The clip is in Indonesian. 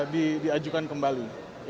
bisa diajukan kembali